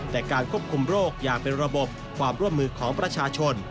แต่การควบคุมโรคอย่างเป็นระบบความร่วมมือของประชาชน